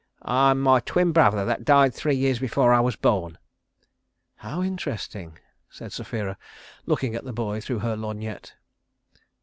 I'm my twin brother that died three years before I was born." "How interesting," said Sapphira, looking at the boy through her lorgnette.